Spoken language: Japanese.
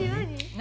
何？